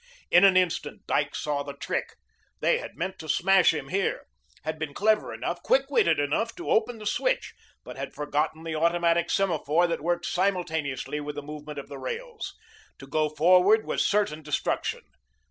In an instant, Dyke saw the trick. They had meant to smash him here; had been clever enough, quick witted enough to open the switch, but had forgotten the automatic semaphore that worked simultaneously with the movement of the rails. To go forward was certain destruction.